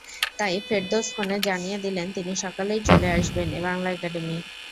তাই ফেরদৌস ফোনে জানিয়ে দিলেন তিনি সকালেই চলে আসবেন বাংলা একাডেমি।